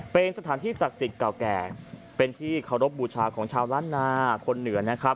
เป็นสถานที่ศักดิ์สิทธิ์เก่าแก่เป็นที่เคารพบูชาของชาวล้านนาคนเหนือนะครับ